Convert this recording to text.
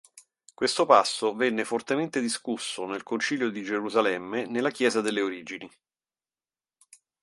Questo passo venne fortemente discusso nel Concilio di Gerusalemme nella chiesa delle origini.